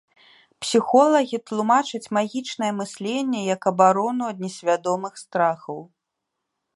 Псіхолагі тлумачаць магічнае мысленне як абарону ад несвядомых страхаў.